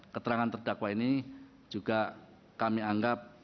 keterangan terdakwa ini juga kami anggap